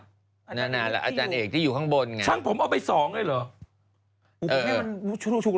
ไหนเอกอยู่ไหนยอดอาจารย์เอกที่อยู่ข้างบนไงช่างผมเอาไปสองด้วยเหรอ